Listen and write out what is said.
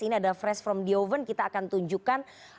ini ada fresh from the oven kita akan tunjukkan